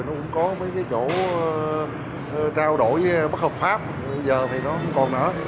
nó cũng có mấy cái chỗ trao đổi bất hợp pháp giờ thì nó không còn nữa